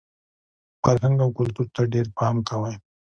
فرهنګ او کلتور ته ډېر پام کوئ!